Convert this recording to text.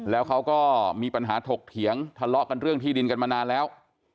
แล้วเขาก็มีปัญหาถกเถียงทะเลาะกันเรื่องที่ดินกันมานานแล้ว